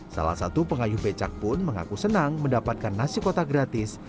salah satu pengayuh becak pun mengaku senang mendapatkan nasi kotak gratis